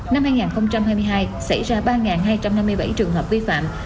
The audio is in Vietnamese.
năm hai nghìn hai mươi hai xảy ra ba hai trăm năm mươi bảy trường hợp vi phạm